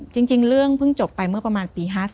จริงเรื่องเพิ่งจบไปเมื่อประมาณปี๕๔